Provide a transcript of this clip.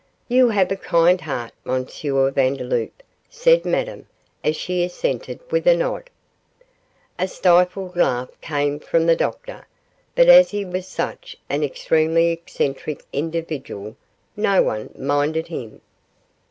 'You have a kind heart, M. Vandeloup,' said Madame, as she assented with a nod. A stifled laugh came from the Doctor, but as he was such an extremely eccentric individual no one minded him.